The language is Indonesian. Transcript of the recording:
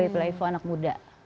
playful anak muda